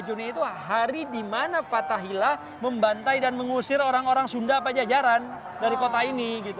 dua puluh juni itu hari di mana fathahila membantai dan mengusir orang orang sunda pajajaran dari kota ini